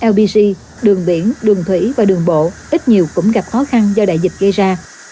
lbg đường biển đường thủy và đường bộ ít nhiều cũng gặp khó khăn do đại dịch gây ra